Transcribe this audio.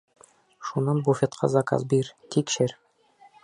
Шунан буфетҡа заказ бир, тикшер.